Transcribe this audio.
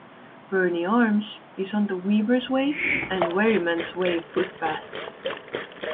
Berney Arms is on the Weavers' Way and Wherryman's Way footpaths.